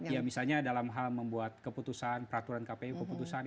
ya misalnya dalam hal membuat keputusan peraturan kpu keputusan